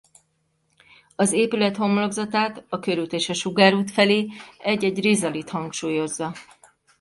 Az épület homlokzatát a körút és a sugárút felé egy-egy rizalit hangsúlyozza.